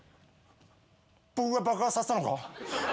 僕が爆発させたのか？